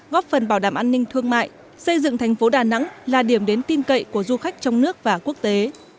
góp phần bảo đảm an ninh thương mại xây dựng thành phố đà nẵng là điểm đến tin cậy của du khách trong nước và quốc tế